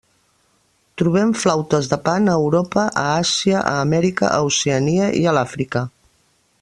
Trobem flautes de Pan a Europa, a Àsia, a Amèrica, a Oceania i a l'Àfrica.